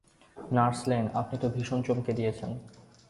Nurse Lane, আপনি তো ভীষন চমকে দিয়েছেন।